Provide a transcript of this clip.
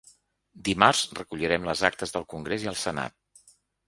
Dimarts recollirem les actes del congrés i el senat.